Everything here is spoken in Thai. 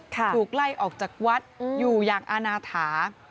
ถูกไล่ออกจากวัดอยู่อย่างอาณาถา